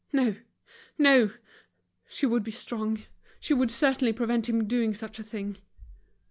No, no, she would be strong, she would certainly prevent him doing such a thing.